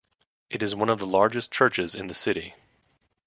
It is one of the largest churches in the city.